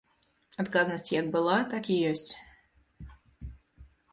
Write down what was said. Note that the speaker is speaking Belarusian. Адказнасць як была, так і ёсць.